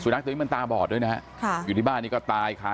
นักตัวนี้มันตาบอดด้วยนะฮะค่ะอยู่ที่บ้านนี้ก็ตายค่ะ